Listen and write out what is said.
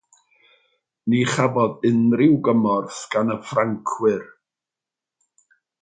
Ni chafodd unrhyw gymorth gan y Ffrancwyr.